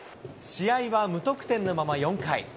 試合は無得点のまま、４回。